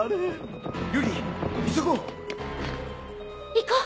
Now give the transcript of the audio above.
行こう！